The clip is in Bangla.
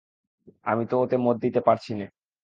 আমি তো ওতে মত দিতে পারছি নে।